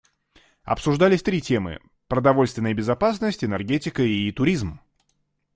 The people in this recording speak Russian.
Обсуждались три темы: продовольственная безопасность, энергетика и туризм.